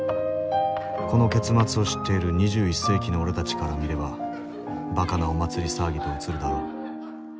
この結末を知っている２１世紀の俺たちから見ればばかなお祭り騒ぎと映るだろう。